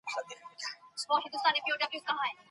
زموږ ټولنيز ژوند د کروندګرو سره تړاو لري.